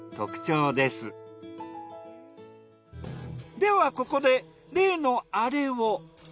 ではここで例のアレを。